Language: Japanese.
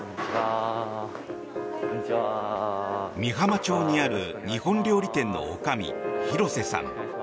美浜町にある日本料理店のおかみ廣瀬さん。